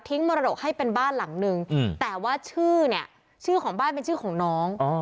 มรดกให้เป็นบ้านหลังนึงแต่ว่าชื่อเนี่ยชื่อของบ้านเป็นชื่อของน้อง